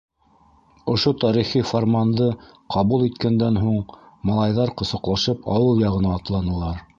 Ошо тарихи фарманды ҡабул иткәндән һуң, малайҙар ҡосаҡлашып ауыл яғына атланылар.